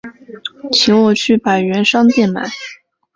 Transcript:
请我去百元商店买